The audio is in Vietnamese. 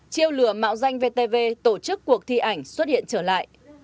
chiêu lừa mạo danh vtv tổ chức cuộc thi ảnh xuất hiện trở lại